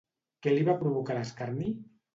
Què li va provocar l'escarni?